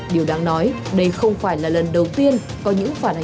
điều đáng nói đây không phải là lần đầu tiên có những phản ánh như vậy